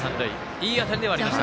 いい当たりではありました。